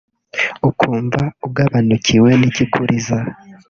ukumva ugabanukiwe n’ikikuriza